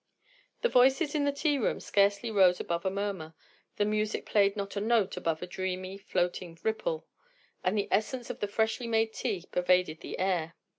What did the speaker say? The voices in the tea room scarcely rose above a murmur; the music played not a note above a dreamy, floating ripple; and the essence of the freshly made tea pervaded the air.